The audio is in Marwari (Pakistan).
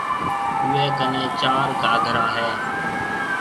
اوَي ڪنَي چار گھاگرا هيَ